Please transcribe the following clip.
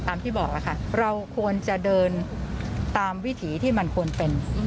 ที่บอกแล้วค่ะเราควรจะเดินตามวิถีที่มันควรเป็น